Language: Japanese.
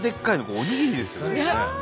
おにぎりですよね。